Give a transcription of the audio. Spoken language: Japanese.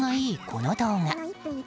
この動画。